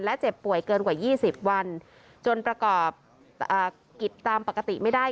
และเจ็บป่วยเกินกว่า๒๐วันจนประกอบกิจตามปกติไม่ได้